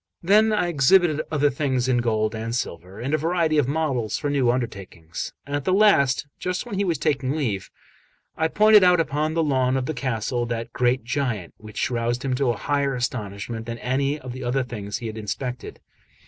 Then I exhibited other things in gold and silver, and a variety of models for new undertakings. At the last, just when he was taking leave, I pointed out upon the lawn of the castle that great giant, which roused him to higher astonishment than any of the other things he had inspected.